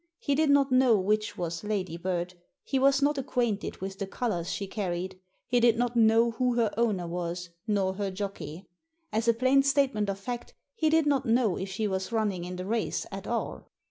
He did not know which was Ladybird, he was not acquainted with the colours she carried, he did not know who her owner was, nor her jockey — as a plain statement of fact he did not know if she was running in the race at all.